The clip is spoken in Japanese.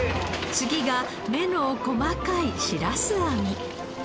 次が目の細かいしらす網。